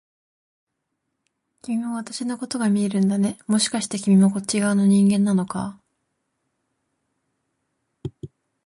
君も私のことが見えるんだね、もしかして君もこっち側の人間なのか？